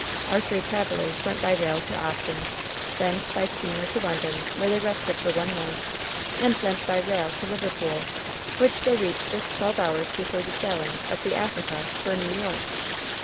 Our three travelers went by rail to Ostend, thence by steamer to London, where they rested for one night, and thence by rail to Liverpool, which they reached just twelve hours before the sailing of the Africa for New York.